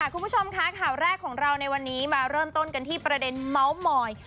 คุณผู้ชมค่ะข่าวแรกของเราในวันนี้มาเริ่มต้นกันที่ประเด็นเมาส์มอย